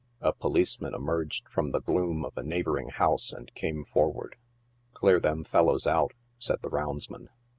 A policeman emerged from the gloom of a neighboring house and came forward. " Clear them fellows out," said the roundsman.